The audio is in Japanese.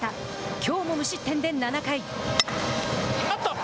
きょうも無失点で７回。